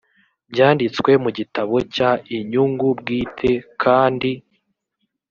byanditswe mu gitabo cy inyungu bwite kandi